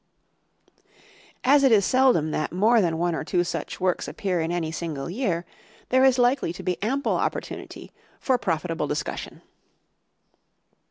As it is seldom that more than one or two such works appear in any single year, there is likely to be ample opportunity for profitable discussion.